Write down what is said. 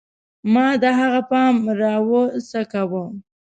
ما د هغه پام راوڅکاوه